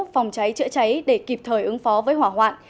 phòng cháy chữa cháy để kịp thời ứng phó với hỏa hoạn